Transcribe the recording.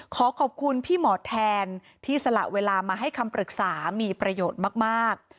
ขอขอบคุณพี่หมอแทนที่สละเวลามาให้คำปรึกษามีประโยชน์มาก